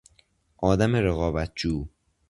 آدم رقابتجو